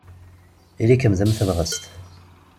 Ili-kem d mm tebɣest.